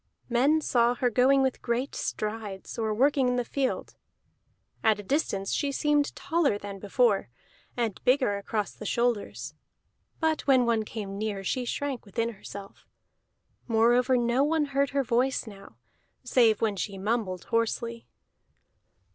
Men saw her going with great strides, or working in the field; at a distance she seemed taller than before, and bigger across the shoulders; but when one came near she shrank within herself. Moreover no one heard her voice now, save when she mumbled hoarsely.